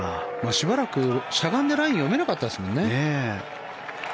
しばらくしゃがんでラインを読めなかったですよね。